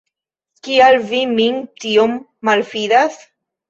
Kial vi min tiom malﬁdas?